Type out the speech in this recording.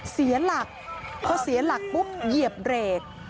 เสียหลักพอเสียหลักปุ๊บเหยียบเบรก